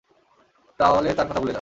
তাহলে তার কথা ভুলে যা!